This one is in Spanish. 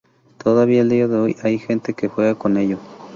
Todavía a dia de hoy hay gente que "juega" con ello.